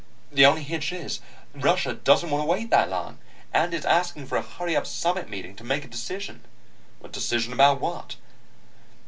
The only hitch is, Russia doesn't want to wait that long, and is asking for a hurry up summit meeting to make a decision." "A decision about what?"